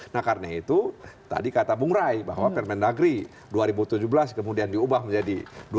nah karena itu tadi kata bung rai bahwa permendagri dua ribu tujuh belas kemudian diubah menjadi dua ribu